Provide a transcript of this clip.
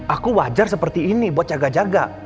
aku wajar seperti ini buat jaga jaga